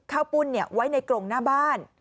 ปุ้นไว้ในกรงหน้าบ้าน